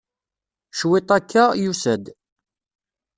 Cwiṭ akka, yusa-d.